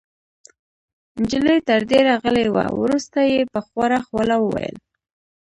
نجلۍ تر دېره غلې وه. وروسته يې په خواره خوله وویل: